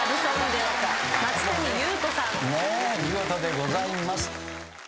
見事でございます。